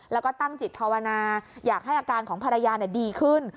แล้วก็ตั้งจิตภาวนาอยากให้อาการของภรรยาดีขึ้น